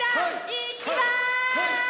いきます！